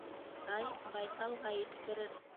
Тай байталға еткерер